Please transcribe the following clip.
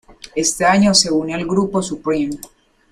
Éste año se une al grupo Supreme.